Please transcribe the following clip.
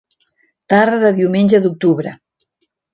Tarda de diumenge d'octubre.